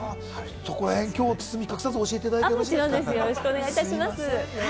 今日は包み隠さず教えていただいてよろしいですか？